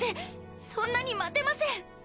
そんなに待てません！